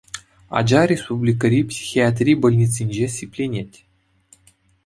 Ача республикӑри психиатри больницинче сипленет.